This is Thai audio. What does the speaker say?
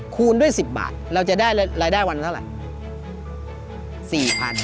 คูณด้วย๑๐บาทเราจะได้รายได้วันเท่าไหร่